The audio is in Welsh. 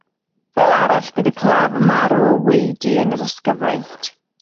Fel arall bydd y claf yn marw o waedu yn yr ysgyfaint.